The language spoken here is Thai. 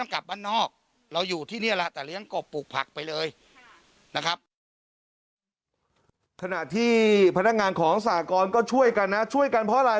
ขณะที่พนักงานของสหกรก็ช่วยกันนะช่วยกันเพราะอะไร